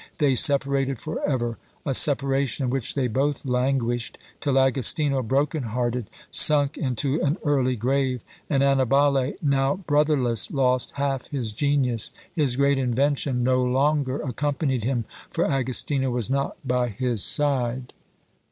They separated for ever! a separation in which they both languished, till Agostino, broken hearted, sunk into an early grave, and Annibale, now brotherless, lost half his genius; his great invention no longer accompanied him for Agostino was not by his side!